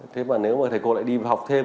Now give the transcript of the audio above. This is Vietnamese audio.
thế mà nếu mà thầy cô lại đi vào học thêm